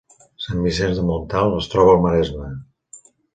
Sant Vicenç de Montalt es troba al Maresme